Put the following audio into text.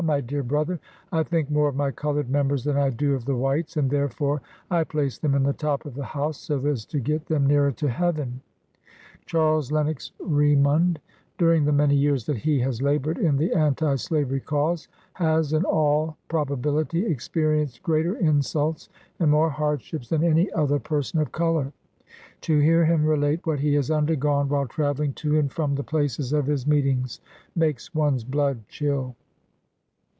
my dear brother, I think more of my colored members than I do of the whites, and therefore I place them in the top of the house, so as to get them nearer to heaven.' 7 Charles Lenox Remond, during the many years that he has labored in the An ti Slavery cause, has, in all probability, experi enced greater insults and more hardships than any other person of color. To hear him relate what x he has undergone, while travelling to and from the places of his meetings, makes one's blood chill.